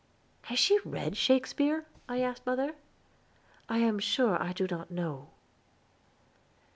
"Has she read Shakespeare?" I asked mother. "I am sure I do not know."